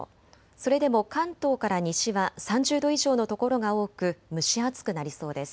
それでも関東から西は３０度以上の所が多く蒸し暑くなりそうです。